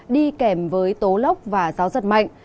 đi kèm với tố lốc và gió giật mạnh